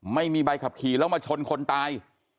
ไม่มีใบขับขี่แล้วมาชนคนตาย